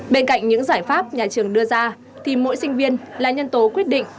bên cạnh những giải pháp nhà trường đưa ra thì mỗi sinh viên là nhân tố quyết định